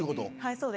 そうです。